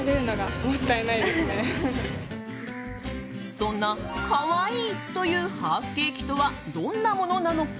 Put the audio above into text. そんな可愛いというハーフケーキとはどんなものなのか。